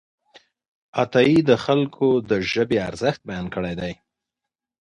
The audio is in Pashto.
عطايي د خلکو د ژبې ارزښت بیان کړی دی.